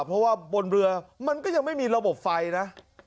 เพราะว่าบนเรือมันก็ยังไม่มีระบบไฟนะ